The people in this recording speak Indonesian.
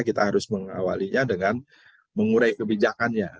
kita harus mengawalinya dengan mengurai kebijakannya